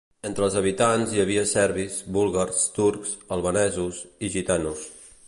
Entre els habitants hi havia serbis, búlgars, turcs, albanesos i gitanos.